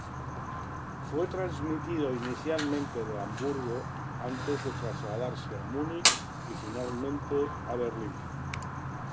Fue transmitido inicialmente de Hamburgo antes de trasladarse a Munich y finalmente a Berlín.